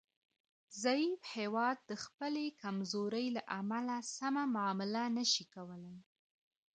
ضعیف هیواد د خپلې کمزورۍ له امله سمه معامله نشي کولای